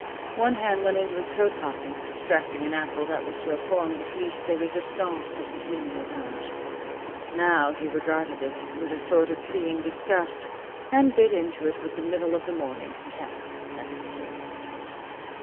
One hand went into his coat pocket, extracting an apple that was to have formed the piece de resistance of his noonday lunch. Now he regarded it with a sort of pitying disgust, and bit into it with the middle of the morning contempt that it deserved.